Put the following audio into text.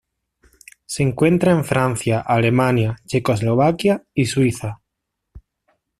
Se encuentra en Francia, Alemania, Checoslovaquia y Suiza.